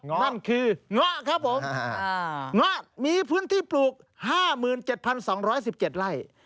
นั่นคือเงาะครับผมเงาะมีพื้นที่ปลูก๕๗๒๑๗ไร่